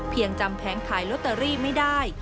ยังจำแผงขายลอตเตอรี่ไม่ได้